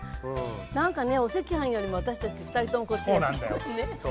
なんかねお赤飯よりも私たち２人ともこっちが好きなのね。